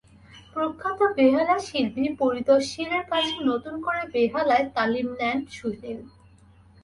প্রখ্যাত বেহালাশিল্পী পরিতোষ শীলের কাছে নতুন করে বেহালায় তালিম নেন সুনীল।